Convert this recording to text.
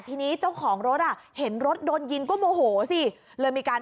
ทีนี้เจ้าของรถอ่ะเห็นรถโดนยิงก็โมโหสิเลยมีการ